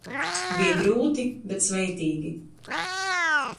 Bija grūti, bet svētīgi.